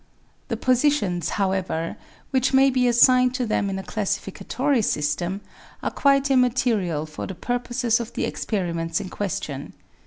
The positions, however, which may be assigned to them in a classificatory system are quite immaterial for the purposes of the experiments in ques tion.